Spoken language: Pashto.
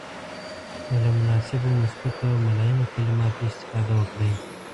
نو له مناسبو، مثبتو او ملایمو کلماتو استفاده وکړئ.